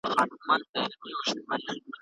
پخواني سفیران د خپلو اساسي حقونو دفاع نه سي کولای.